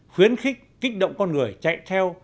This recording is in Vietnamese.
khuyến khích kích động con người chạy theo